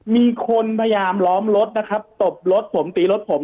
มีคนพยายามล้อมรถนะครับตบรถผมตีรถผม